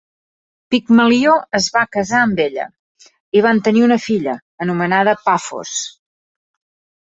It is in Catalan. Pigmalió es va casar amb ella i van tenir una filla, anomenada Pafos.